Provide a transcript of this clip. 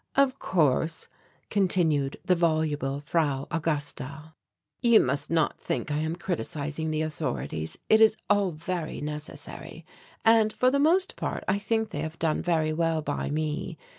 "Of course," continued the voluble Fran Augusta, "you must not think I am criticizing the authorities. It is all very necessary. And for the most part I think they have done very well by me.